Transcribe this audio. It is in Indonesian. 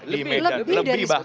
lebih dari sepuluh